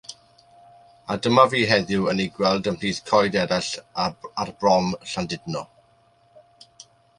A dyma fi heddiw yn eu gweld ymhlith coed eraill ar brom Llandudno.